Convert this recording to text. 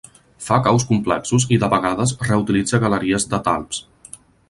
Fa caus complexos i de vegades reutilitza galeries de talps.